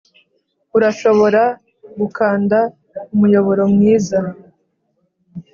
urashobora gukanda umuyoboro mwiza,